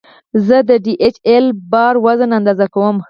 زه د ډي ایچ ایل بار وزن اندازه کوم.